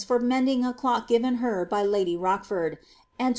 for mending a clock given her by lai Rochfoixl, and 20d.